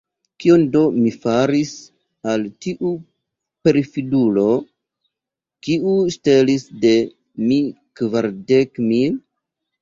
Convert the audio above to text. Kion do mi faris al tiu perfidulo, kiu ŝtelis de mi kvardek mil?